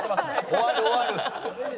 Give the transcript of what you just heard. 終わる終わる！